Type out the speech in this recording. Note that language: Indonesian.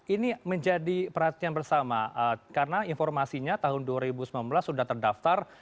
ini menjadi perhatian bersama karena informasinya tahun dua ribu sembilan belas sudah terdaftar